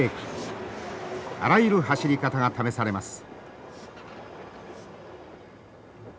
あらゆる走り方が試されます。